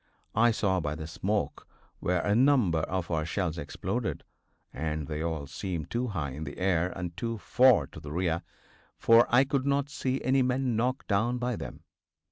I saw by the smoke where a number of our shells exploded, and they all seemed too high in the air and too far to the rear, for I could not see any men knocked down by them.